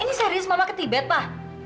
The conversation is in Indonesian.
ini serius mama ketibet pak